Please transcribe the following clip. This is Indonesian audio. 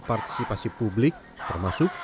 partisipasi publik termasuk